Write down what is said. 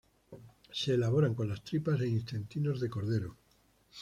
Se elaboran con las tripas e intestinos de cordero.